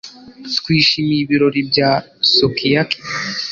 Twishimiye ibirori bya sukiyaki.